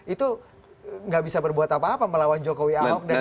itu nggak bisa berbuat apa apa melawan jokowi ahok dan